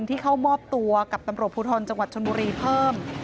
ที่เข้ามอบตัวกับตำรวจภูทรจังหวัดชนบุรีเพิ่ม